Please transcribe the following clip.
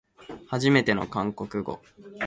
はじめての韓国語